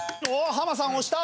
ハマさん押した。